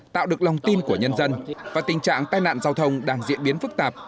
tạo được lòng tin của nhân dân và tình trạng tai nạn giao thông đang diễn biến phức tạp